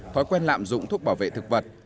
thói quen lạm dụng thuốc bảo vệ thực vật